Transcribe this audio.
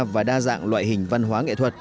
và đa dạng loại hình văn hóa nghệ thuật